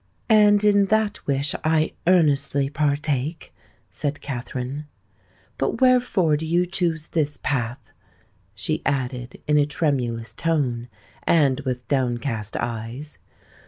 "And in that wish I earnestly partake," said Katherine. "But wherefore do you choose this path?" she added in a tremulous tone, and with downcast eyes.